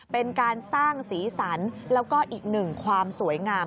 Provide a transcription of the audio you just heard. เป็นการสร้างสีสันแล้วก็อีกหนึ่งความสวยงาม